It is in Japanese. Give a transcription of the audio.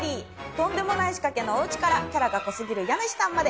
とんでもない仕掛けのお家からキャラが濃すぎる家主さんまで。